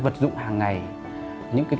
vật dụng hàng ngày những cái